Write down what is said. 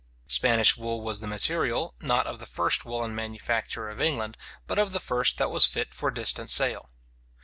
Spanish wool was the material, not of the first woollen manufacture of England, but of the first that was fit for distant sale.